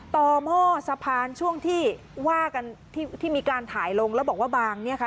หม้อสะพานช่วงที่ว่ากันที่ที่มีการถ่ายลงแล้วบอกว่าบางเนี่ยค่ะ